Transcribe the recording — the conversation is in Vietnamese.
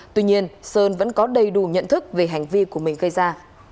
tuy nhiên sơn vẫn có đầy đủ nhận thức về hành vi của mình gây ra